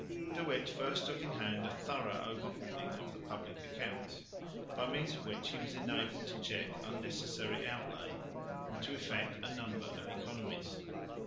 De Witt first took in hand a thorough overhauling of the public accounts, by means of which he was enabled to check unnecessary outlay and to effect a number of economies.